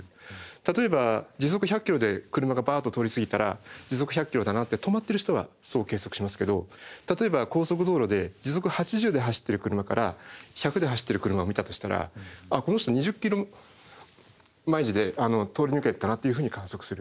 例えば時速１００ｋｍで車がバッと通り過ぎたら時速１００ｋｍだなって止まってる人はそう計測しますけど例えば高速道路で時速８０で走ってる車から１００で走ってる車を見たとしたらこの人２０ｋｍ毎時で通り抜けたなっていうふうに観測する。